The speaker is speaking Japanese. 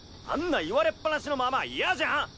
あんな言われっぱなしのまま嫌じゃん！